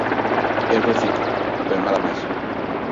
Eu reciclo, pero nada máis.